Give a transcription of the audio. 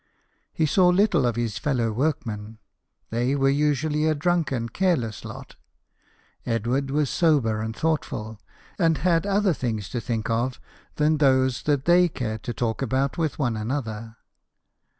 He saw little of his fellow workmen. They were usually a drunken, careless lot ; Edward was sober and thoughtful, and had other things to think of than those that they cared to talk about with one another.